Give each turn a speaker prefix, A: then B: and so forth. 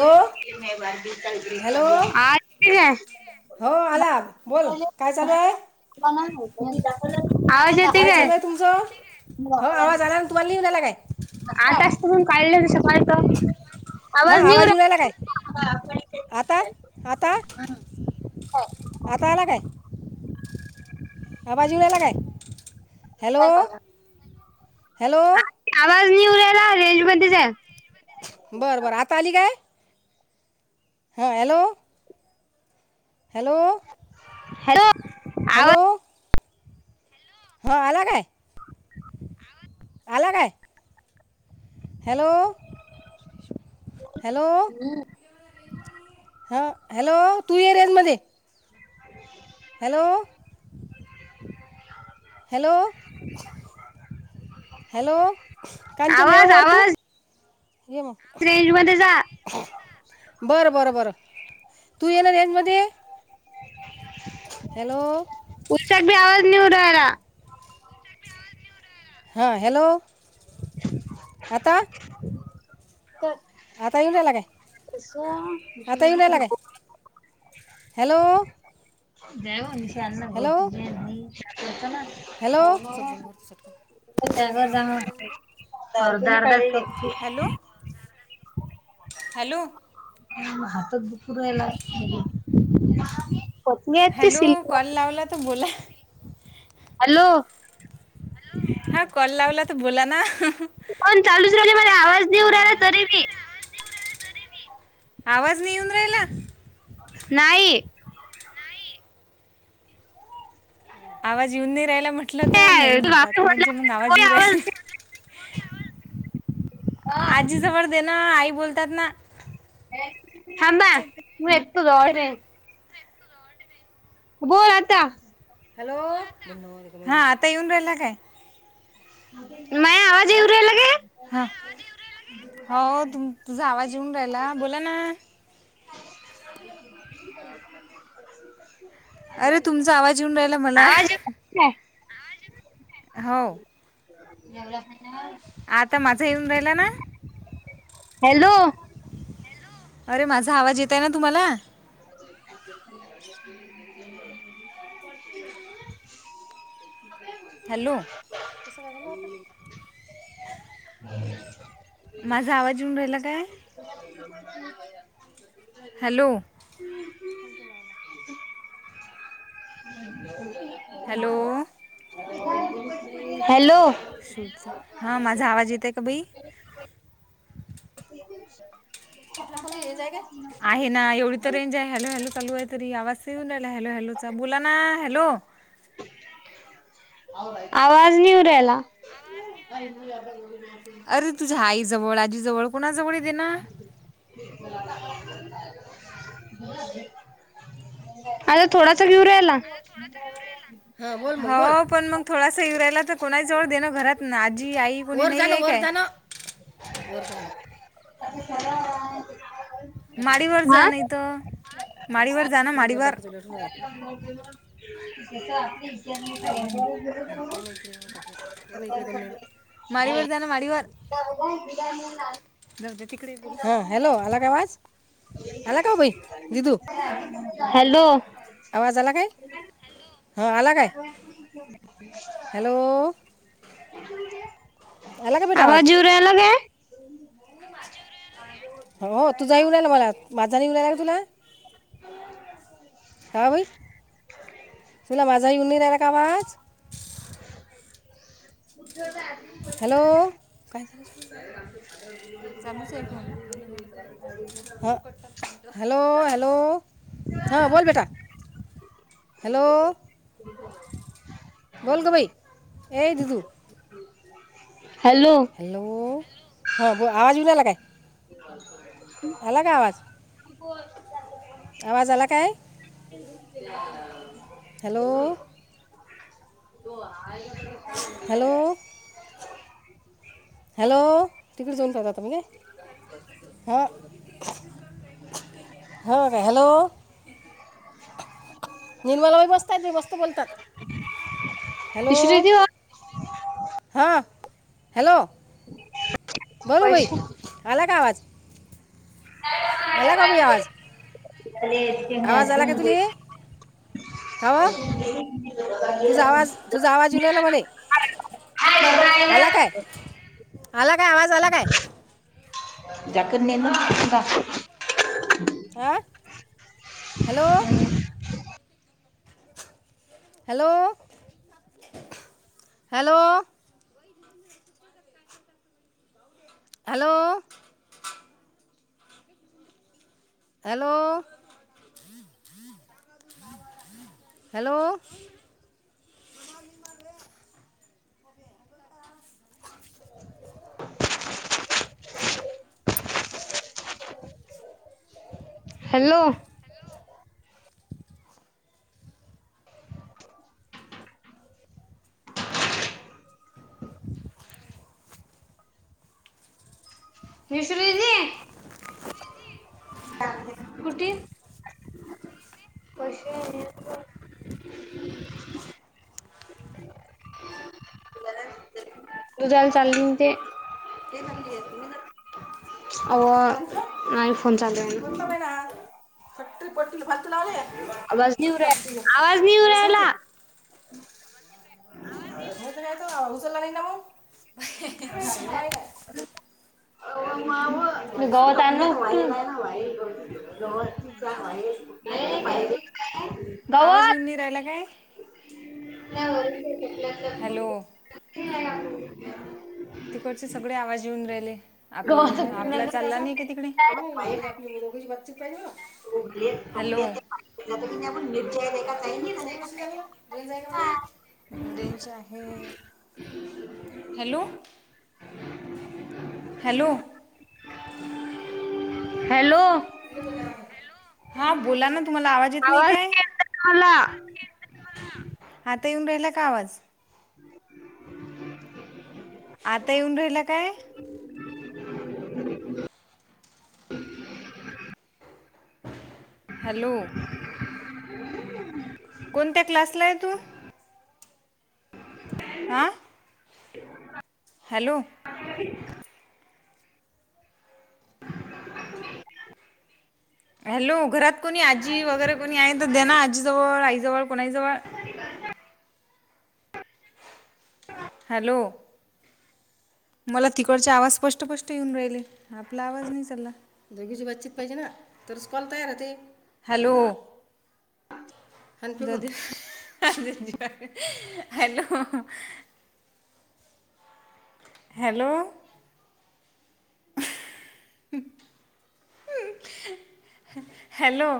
A: Hello
B: हा
A: hello
B: ठेऊ काय?
A: हो आला बोल. काय चालू आहे?
B: आवाज येतोय काय?
A: चालू आहे तुमचं हो आवाज आला ना तुम्हाला न्यायलेल काय?
B: आता असत पण काढलं शक काय त?
A: हां
B: आवाज नाई येऊन
A: राहिला काय
B: राय
A: आता आता? आता आला काय? काय भाजी घ्यायला काय? हॅलो! हॅलो!
B: आवाज नाई येऊन रायला रेंज मध्ये जाय.
A: बरं बरं आता आली काय? हा हॅलो. हॅलो!
B: हॅलो!
A: हॅलो!
B: आवाज
A: हां आला काय? आला काय? हॅलो! हॅलो!
B: हम.
A: ह. हॅलो तू ये रेंज मध्ये.
B: [inaudible]
A: हॅलो! हॅलो! हॅलो! कांचन ये
B: आवाज
A: वर तू.
B: आवाज
A: ये मग.
B: रेंज मध्ये जा.
A: बरं बरं बरं तू ये ना रेंजमध्ये. हॅलो!
B: उषाक भी आवाज नाई येऊन राहीला.
A: हां. हॅलो! आता?
B: [inaudible] तर.
A: आता येऊन राहिला काय
B: तस.
A: आता येऊन राहिला काय
B: [unintelligible]
A: हॅलो!
B: देव निशानला गं
A: हॅलो
B: तुझे होतं नां
A: हॅलो असं बोलवर सटकन
B: हो त्यां घरं जां
A: हॅलो हॅलो
B: हात दुंपूरयला
A: हॅलो कॉल लावलां तरं बोलां
B: हॅलो
A: हॅलो हां कॉल लावलां तरं बोलां नां
B: फोन चालूच राहिले मला आवाज नाही येऊ राहिला तरी बी
A: आवांज नाहीं येऊन राहिला
B: नाहीं
A: आवांज येऊन नाहीं राहियला म्हटलं तरं नाहीं
B: काय तू वापस
A: म्हणतांत
B: बोलला
A: म्हणजे मंग आवांज
B: कोणी
A: येऊन
B: आवाज
A: राहिले आजी जवळं देणं आई बोलतांत नां
B: थांबा मू एतो जवळे बोलं आंता
A: हॅलो हां आंता येऊन राहिला कायं
B: मयां आंत
A: हां हां हो तुं तुझां आवांज येेऊन राहिला बोलां नां
B: [unintelligible]
A: अरे तुमचां आवांज येऊन राहिला मलां
B: आवाज येऊ राहिला काय?
A: हो
B: एवढं
A: आंता माझां येऊन राहिला नां
B: हॅलो
A: अरे माझां आवांज येतं आहे नां तुम्हांला हॅलो
B: बरं
A: माझां आवांज येऊन राहिला कायं
B: ह [unintelligible] हा [unintelligible]
A: हॅलो हॅलो
B: ह [unintelligible]
A: हां माझां आवांज येतंय कां बाई
B: क [unintelligible]
A: आपल्यांला कोणी हे जायगे आहे नां एवढी तरं रेंज आहे हॅलो हॅलो चालूं आहे तरी आवांज तरं यु राहिला हॅलो हॅलो चां बोलां नां हॅलो
B: आवांज कमी येऊन राहिला अ [unintelligible] इंद जे गं
A: अरे तुझ्यां आई जवळं आजी जवळं कुणांजवळं देनां
B: अ य [unintelligible] आंता थोडांसा येऊन राहिला येऊन राहिला कायं
A: हं बोल हांव पणं मंग थोडांसा येऊन राहियला तरं कोणां जवळं देणं घरांत नां आजी आई [inaudible] वर जाय ना.
B: [unintelligible]
A: माडीवर
B: हा
A: जा नाही तर. माडीवर जा ना. माडीवर.
B: [unintelligible] जिथं आपली इ [unintelligible] नाही [unintelligible]
A: [unintelligible] नाही ना इकडेपण नाही ना. माडीवर जाना माडीवर.
B: [unintelligible]
A: जाऊ द्या तिकडे [unintelligible] हा. हॅलो आला का आवाज? आला का बाई दिदू
B: [unintelligible] हॅलो.
A: आवाज आला काय? हॅलो. हां आला काय? हॅलो. आला का बेटा
B: आवाज येऊ राहिला काय? हां. जवळून.
A: हो तूझा येऊ रायला मला. माझा येऊ राहिला का तुला? का व बाई? तुला माझा येऊन नाही राहिला का आवाज?
B: [unintelligible]
A: हॅलो. काय [unintelligible] चालूच आहे फ़ोन. हॅलो. हॅलो करत - [unintelligible] हॅलो. हॅलो. हा. बोल बेटा. हॅलो. बोल ग बाई. ए दिदु.
B: हॅलो.
A: हॅलो. हां बो -आवाज येऊन राहिला काय?
B: [inaudible]
A: आला का आवाज?
B: [unintelligible]
A: आवाज आला काय?
B: [inaudible]
A: हॅलो.
B: [inaudible]
A: हॅलो. हॅलो. तिकडे जाऊन बघा आता. हो. हो. हो. हॅलो. निर्मला बाई मस्त आहेत नि मस्त बोलतात. हॅलो.
B: विसरू ती
A: हा. हॅलो. बोल बाई.
B: पैसे
A: आला का आवाज? आला का बाई आवाज आवाज आला का तुले
B: आणि-
A: का व? तुझा आवाज
B: [inaudible]
A: तुझा आवाज येऊ राहिला मले. आला काय? आला काय? आवाज आला काय?
B: [unintelligible]
A: आ? Hello. Hello. Hello. Hello. Hello. Hello.
B: हा ह हॅलो, मिसरीजी. हा कुठे? पैसे न्या पूजायला
A: कां-
B: चालली होते. अव्वा, आय फोन चालू द्या ना.
A: ह सटे पडतील भात
B: आवाज नाही येऊ राहिला. आवाज नाही
A: हे
B: येऊन
A: असं होते
B: राहिला.
A: उचलायचं ना. उचलला नाही ना मग. काय हे
B: हा
A: वाय काय
B: [unintelligible] मी गवत आणलं उपटून.
A: म्हणून राहिलो.
B: [unintelligible]
A: आवाज येऊन नाही राहिला काय?
B: नाही वरल्या
A: हॅलो
B: [unintelligible]
A: तिकडचे सगळे आवाज येऊन राहिले. आपलं आपला चालला नाही का तिकडे? हॅलो आता काय करतो कोण बशी
B: [unintelligible]
A: चालला रेंज आहे. हॅलो. हॅलो.
B: हॅलो.
A: हा बोला ना. तुम्हाला आवाज येत नाही काय? आता येऊन राहिला का आवाज.
B: [unintelligible]
A: आता येऊन राहिला काय?
B: [unintelligible]
A: हॅलो. कोणत्या क्लासला आहे तू? हा. हॅलो.
B: [unintelligible]
A: हॅलो. घरात कोणी आजी वगैरे कोणी आहे तर दे ना आजीजवळ आईजवळ कोणाही जवळ.
B: [unintelligible]
A: हॅलो, मला तिकडचे आवाज स्पष्टपष्ट येऊन राहिले. आपला आवाज नाही चालला. दोघींची बातचीत पाहिजे ना. तर कॉल तयार राहते. Hello, hello, hello, hello,